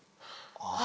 ああ。